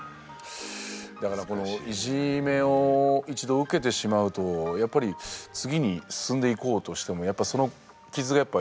だからこのいじめを一度受けてしまうとやっぱり次に進んでいこうとしてもやっぱその傷がやっぱ癒えない。